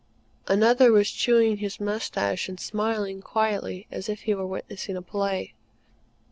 Another was chewing his moustache and smiling quietly as if he were witnessing a play.